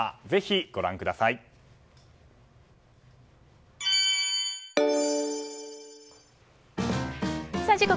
ぜひ、ご覧ください。